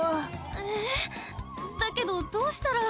えぇだけどどうしたら。